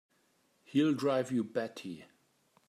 He'll drive you batty!